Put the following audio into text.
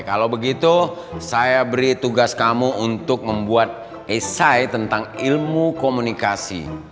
kalau begitu saya beri tugas kamu untuk membuat esai tentang ilmu komunikasi